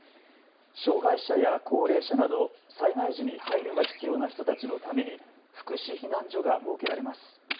障害者や高齢者など災害時に配慮が必要な人たちのために福祉避難所が設けられます。